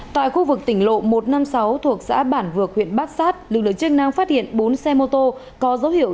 tại khu vực tỉnh lộ một trăm năm mươi sáu thuộc xã bản vược huyện bát sát lực lượng chức năng phát hiện bốn xe mô tô có dấu hiệu